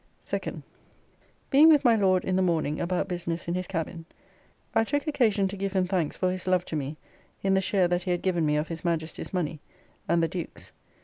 2d. Being with my Lord in the morning about business in his cabin, I took occasion to give him thanks for his love to me in the share that he had given me of his Majesty's money, and the Duke's.